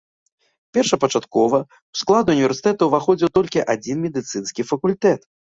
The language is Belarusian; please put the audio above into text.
Першапачаткова ў склад універсітэта ўваходзіў толькі адзін медыцынскі факультэт.